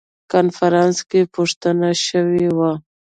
کنفرانس کې پوښتنه شوې وه.